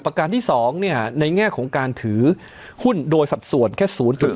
การที่๒ในแง่ของการถือหุ้นโดยสัดส่วนแค่๐๘